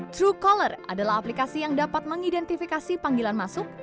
truecaller adalah aplikasi yang dapat mengidentifikasi panggilan masuk